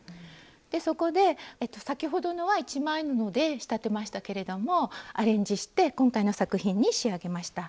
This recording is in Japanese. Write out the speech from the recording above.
でそこで先ほどのは一枚布で仕立てましたけれどもアレンジして今回の作品に仕上げました。